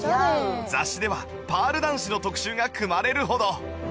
雑誌ではパール男子の特集が組まれるほど